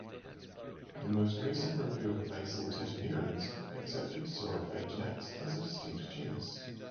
The most recent review of basal tetanurans accepted "Saurophaganax" as a distinct genus.